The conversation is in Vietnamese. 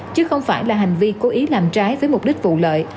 chứ không phải là hành vi cố ý làm trái với mục đích vụ lợi